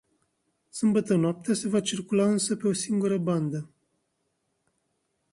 Sâmbătă noaptea se va circulă însă pe o singură bandă.